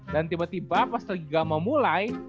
dan tiba tiba pas tergiga mau mulai